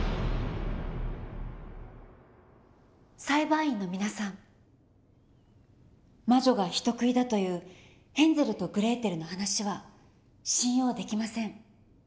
裁判員の皆さん魔女が人食いだというヘンゼルとグレーテルの話は信用できません。